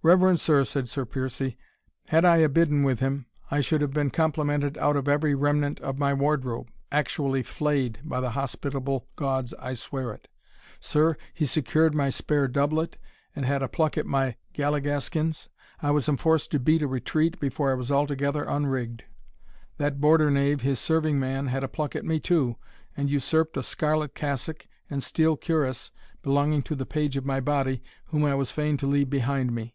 "Reverend sir," said Sir Piercie, "had I abidden with him, I should have been complimented out of every remnant of my wardrobe actually flayed, by the hospitable gods I swear it! Sir, he secured my spare doublet, and had a pluck at my galligaskins I was enforced to beat a retreat before I was altogether unrigged. That Border knave, his serving man, had a pluck at me too, and usurped a scarlet cassock and steel cuirass belonging to the page of my body, whom I was fain to leave behind me.